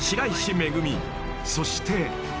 ［そして］